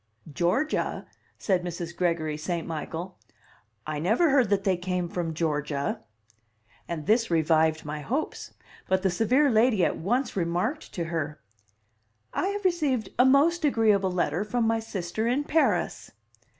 "Georgia?" said Mrs. Gregory St. Michael. "I never heard that they came from Georgia." And this revived my hopes. But the severe lady at once remarked to her: "I have received a most agreeable letter from my sister in Paris."